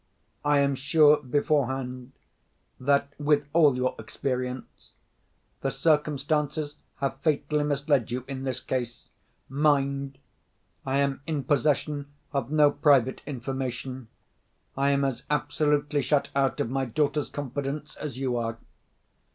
I am sure, beforehand, that (with all your experience) the circumstances have fatally misled you in this case. Mind! I am in possession of no private information. I am as absolutely shut out of my daughter's confidence as you are.